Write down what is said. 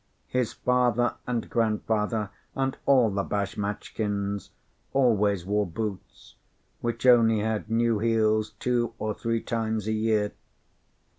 His father and grandfather, and all the Bashmatchkins, always wore boots, which only had new heels two or three times a year.